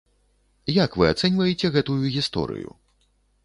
Як вы ацэньваеце гэтую гісторыю?